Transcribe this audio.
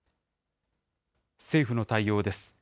政府の対応です。